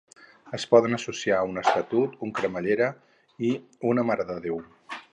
Ho podem associar a un Estatut, un cremallera i una marededéu.